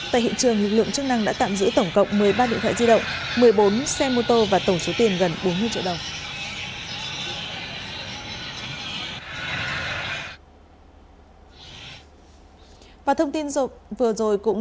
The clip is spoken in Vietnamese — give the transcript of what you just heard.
tại hiện trường lực lượng chức năng đã tạm giữ tổng cộng một mươi ba điện thoại di động một mươi bốn xe mô tô và tổng số tiền gần bốn mươi triệu đồng